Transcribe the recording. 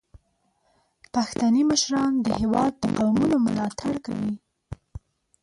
پښتني مشران د هیواد د قومونو ملاتړ کوي.